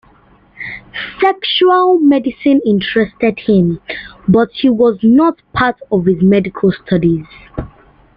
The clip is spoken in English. Sexual medicine interested him, but was not part of his medical studies.